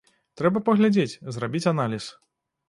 Трэба паглядзець, зрабіць аналіз.